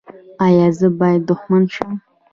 ایا زه باید دښمن شم؟